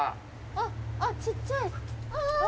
あっちっちゃい。